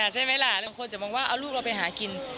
ใช่ไหมล่ะบางคนจะมองว่าเอาลูกเราไปหากิน